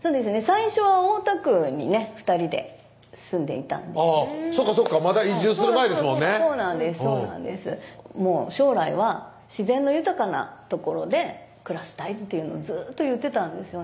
最初は大田区にね２人で住んでいたんですそうかそうかまだ移住する前ですもんね「将来は自然の豊かな所で暮らしたい」っていうのをずーっと言ってたんですよね